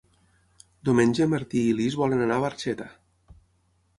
Diumenge en Martí i na Lis volen anar a Barxeta.